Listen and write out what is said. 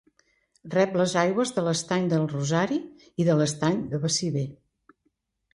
Rep les aigües de l'estany del Rosari i de l'estany de Baciver.